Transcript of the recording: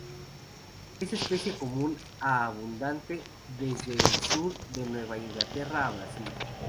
Es especie común a abundante desde el sur de Nueva Inglaterra a Brasil.